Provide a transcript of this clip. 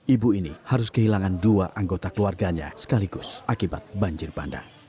ibu ini harus kehilangan dua anggota keluarganya sekaligus akibat banjir bandang